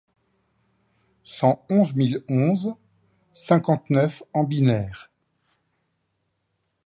cent onze mille onze. cinquante-neuf en binaire.